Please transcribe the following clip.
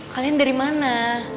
kalian dari mana